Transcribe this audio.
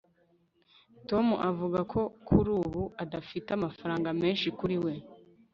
tom avuga ko kuri ubu adafite amafaranga menshi kuri we